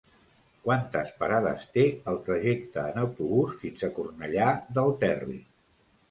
Quantes parades té el trajecte en autobús fins a Cornellà del Terri?